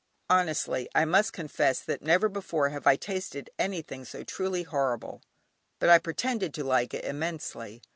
Honestly, I must confess that never before have I tasted anything so truly horrible; but I pretended to like it immensely.